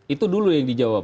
itu dulu yang dijawab